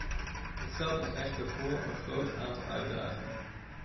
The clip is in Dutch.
Het stelt ons echter voor een groot aantal uitdagingen.